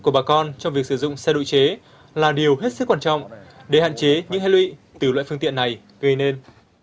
của bà con trong việc sử dụng xe độ chế là điều hết sức quan trọng để hạn chế những hệ lụy từ loại phương tiện này gây nên